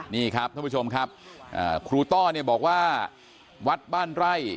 นี่ครับท่านผู้ชมครับครูต้อเนี่ยบอกว่าวัดบ้านไร่